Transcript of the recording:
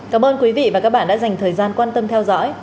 cảm ơn quý vị và các bạn đã dành thời gian quan tâm theo dõi